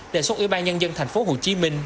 đề xuất ủy ban nhân dân thành phố hồ chí minh